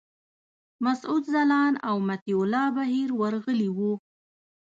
مسعود ځلاند او مطیع الله بهیر ورغلي وو.